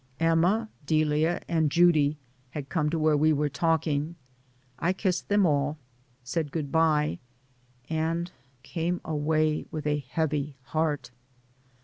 Emma, Delia and Juddie had come to where we were talking. I kissed them all, DAYS ON THE ROAD. 199 said good bye, and came away, with a heavy heart.